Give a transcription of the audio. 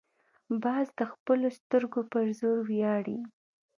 باز د خپلو سترګو پر زور ویاړي